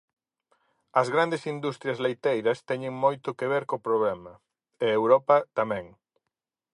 As grandes industrias leiteiras teñen moito que ver co problema, e Europa tamén.